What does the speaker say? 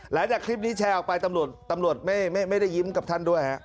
หลังจากคลิปนี้แชร์ออกไปตำรวจไม่ได้ยิ้มกับท่านด้วยฮะ